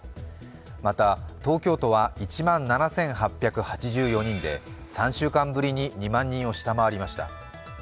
また、東京都は１万７８８４人で３週間ぶりに２万人を下回りました。